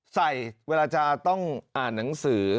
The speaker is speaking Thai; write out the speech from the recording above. เวลาจะต้องอ่านหนังสือ